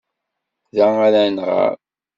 Da ara nɣer.